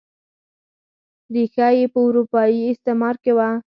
ریښه یې په اروپايي استعمار کې وه.